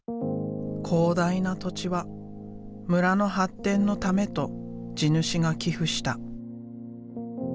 広大な土地は村の発展のためと地主が寄付した。